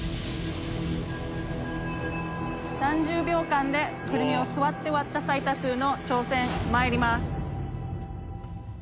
３０秒間でクルミを座って割った最多数の挑戦まいります。